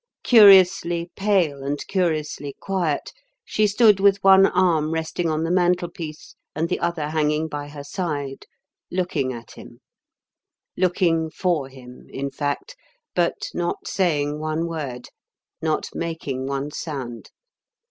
Curiously pale and curiously quiet, she stood with one arm resting on the mantelpiece and the other hanging by her side, looking at him looking for him, in fact but not saying one word, not making one sound.